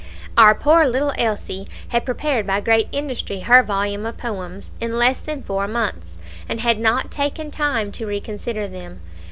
Our poor little Elsie had prepared by great industry her volume of poems in less than four months, and had not taken time to reconsider them.